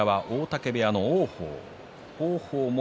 大嶽部屋の王鵬